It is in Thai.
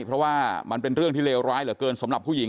เพราะว่ามันเป็นเรื่องที่เลวร้ายเหลือเกินสำหรับผู้หญิง